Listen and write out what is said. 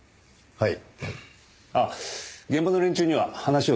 はい。